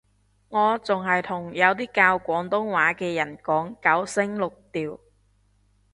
我仲係同有啲教廣東話嘅人講九聲六調